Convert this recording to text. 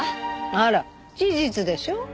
あら事実でしょ？